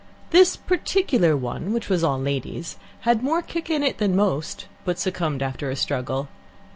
This particular one, which was all ladies, had more kick in it than most, but succumbed after a struggle.